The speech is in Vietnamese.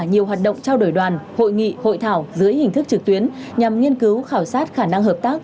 nhiều hoạt động trao đổi đoàn hội nghị hội thảo dưới hình thức trực tuyến nhằm nghiên cứu khảo sát khả năng hợp tác